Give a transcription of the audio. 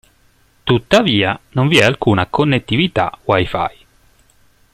Tuttavia, non vi è alcuna connettività Wi-Fi.